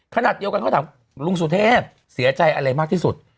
ขนาดเดียวกันเขาถามลุงสุเทพเสียใจอะไรมากที่สุด